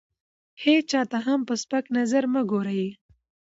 هېچا ته هم په سپک نظر مه ګورئ!